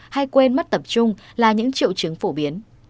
hay quên mất tập trung là những triệu chứng phổ biến